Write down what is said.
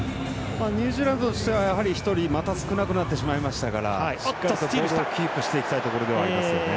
ニュージーランドとしては１人、また少なくなってしまいましたからしっかりとボールをキープしていきたいところではありますよね。